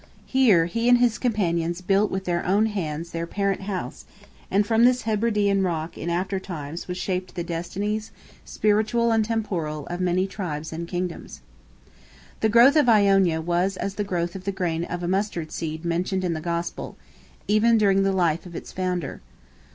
Here he and his companions built with their own hands their parent house, and from this Hebridean rock in after times was shaped the destinies, spiritual and temporal, of many tribes and kingdoms. The growth of Iona was as the growth of the grain of mustard seed mentioned in the Gospel, even during the life of its founder.